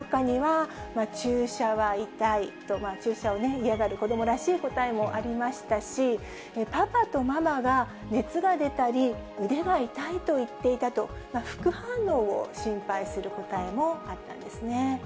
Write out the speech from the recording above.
一方で、受けたくない理由の中には、注射は痛いと、注射を嫌がる子どもらしい答えもありましたし、パパとママが熱が出たり、腕が痛いと言っていたと、副反応を心配する答えもあったんですね。